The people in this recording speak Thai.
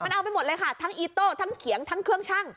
เอาไปหมดเลยค่ะทั้งอีโต้ทั้งเขียงทั้งเครื่องชั่ง